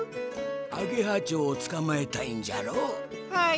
アゲハちょうをつかまえたいんじゃろう？